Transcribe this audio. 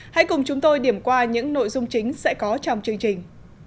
hãy cùng chúng tôi điểm qua những nội dung chính sẽ có trong chương trình